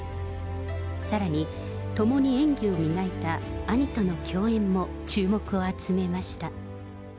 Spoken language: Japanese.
さらに、ともに演技を磨いた兄との共演も注目を集めました。